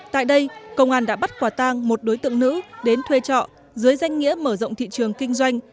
tại đây công an đã bắt quả tang một đối tượng nữ đến thuê trọ dưới danh nghĩa mở rộng thị trường kinh doanh